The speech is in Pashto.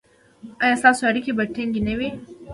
ایا ستاسو اړیکې به ټینګې نه وي؟